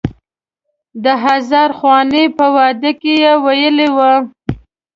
د هزار خوانې په واده کې یې ویلی و.